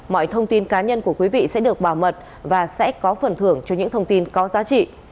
mọi thông tin cá nhân của quý vị sẽ được bảo mật và sẽ có phần thưởng cho những thông tin có giá trị